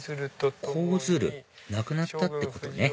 「こうずる」亡くなったってことね